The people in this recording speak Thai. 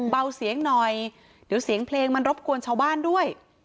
เบาเสียงหน่อยเดี๋ยวเสียงเพลงมันรบกวนชาวบ้านด้วย